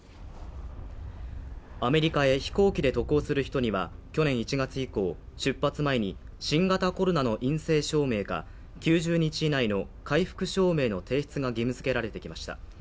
アメリカへ飛行機で渡航する人には去年１月以降出発前に新型コロナの陰性証明か９０日以内の回復証明の提出が義務づけられてきました